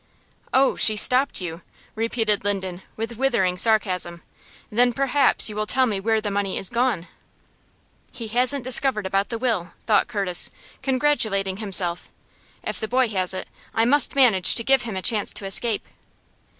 "Oh, she stopped you?" repeated Linden, with withering sarcasm. "Then, perhaps, you will tell me where the money is gone?" "He hasn't discovered about the will," thought Curtis, congratulating himself; "if the boy has it, I must manage to give him a chance to escape."